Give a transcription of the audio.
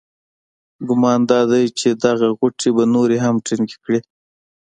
ګمان دادی چې دغه غوټې به نورې هم ټینګې کړي.